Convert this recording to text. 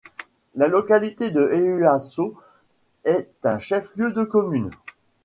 La localité de Ehuasso est un chef-lieu de commune.